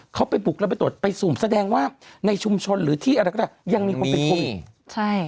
เขาไปบุกแล้วไปตรวจไปสุ่มแสดงว่าในชุมชนหรือที่อะไรก็ได้ยังมีคนเป็นโควิดใช่